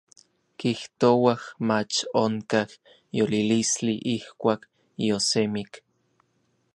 Kijtouaj mach onkaj yolilistli ijkuak yiosemik.